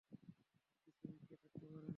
এর পিছনে কে থাকতে পারে?